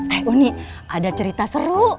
eh unik ada cerita seru